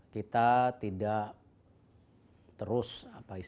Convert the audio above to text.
kita tidak terus protes